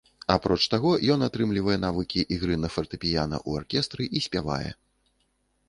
Апроч таго ён атрымлівае навыкі ігры на фартэпіяна, у аркестры і спявае.